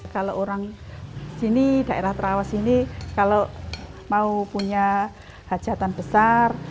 kalau orang sini daerah terawas ini kalau mau punya hajatan besar